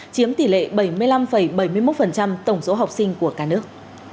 chiếm tỷ lệ bảy mươi năm bảy mươi một tổng số học sinh của cả nước